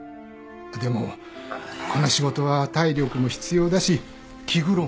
でもこの仕事は体力も必要だし気苦労も多い。